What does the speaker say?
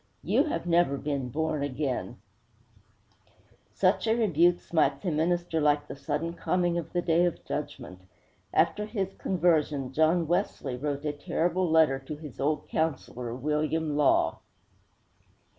You have never been born again!' Such a rebuke smites a minister like the sudden coming of the Day of Judgment. After his conversion John Wesley wrote a terrible letter to his old counselor, William Law.